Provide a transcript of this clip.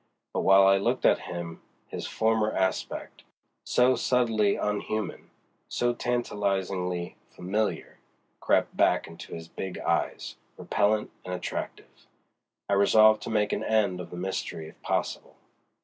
But while I looked at him his former aspect, so subtly unhuman, so tantalizingly familiar, crept back into his big eyes, repellant and attractive. I resolved to make an end of the mystery if possible.